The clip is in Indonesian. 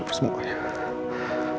dia dear semua nah narralli